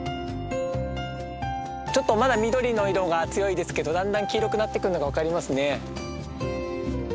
ちょっとまだ緑の色が強いですけどだんだん黄色くなってくるのが分かりますね。